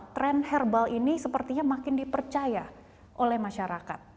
tren herbal ini sepertinya makin dipercaya oleh masyarakat